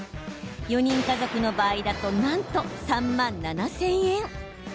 ４人家族の場合だとなんと３万７０００円。